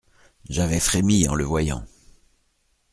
J’avais frémis en le voyant.